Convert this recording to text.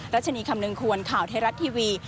รัชนีคำนึงควรข่าวไทยรัฐทีวี